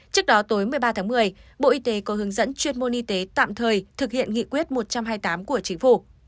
trước đó tối một mươi ba tháng một mươi bộ y tế có hướng dẫn chuyên môn y tế tạm thời thực hiện nghị quyết một trăm hai mươi tám của chính phủ